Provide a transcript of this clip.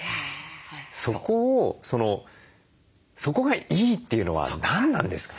そこを「そこがいい」っていうのは何なんですか？